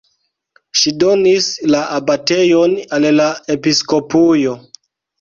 Ŝi donis la abatejon al la episkopujo.